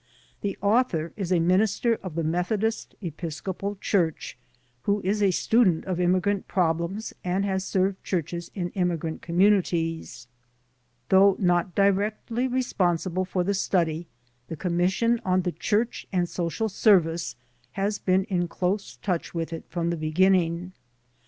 The author is a minister of the Methodist Episcopal Qiurch, who is a student of immigrant problems and has served churches in immigrant communities. Though not directly responsible for the study, the Commission on the Church and Social Service has been in close touch with it from the beginning.